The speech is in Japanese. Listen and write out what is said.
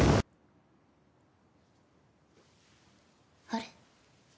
あれ？